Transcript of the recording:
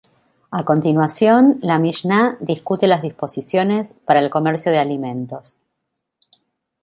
A continuación, la Mishná discute las disposiciones para el comercio de alimentos.